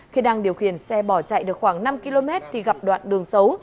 khi đang điều khiển xe bỏ chạy được khoảng năm km thì gặp đoạn đường xấu